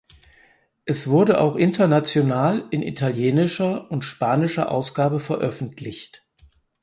Es wurde auch international in italienischer und spanischer Ausgabe veröffentlicht.